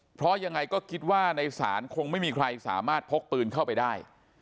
เพราะยังไงก็คิดว่าในศาลคงไม่มีใครสามารถพกปืนเข้าไปได้